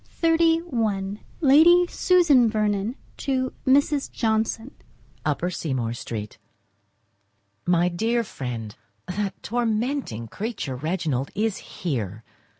VERNON XXXI Lady Susan to Mrs. Johnson. Upper Seymour Street. My dear Friend,—That tormenting creature, Reginald, is here.